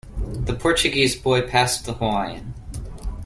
The Portuguese boy passed the Hawaiian.